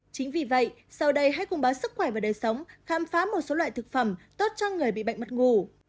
chính vì vậy sau đây hãy cùng báo sức khỏe và đời sống khám phá một số loại thực phẩm tốt cho người bị bệnh mất ngủ